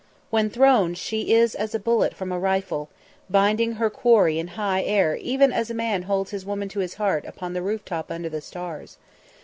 When thrown, she is as a bullet from a rifle, binding her quarry in high air even as a man holds his woman to his heart upon the roof top under the stars.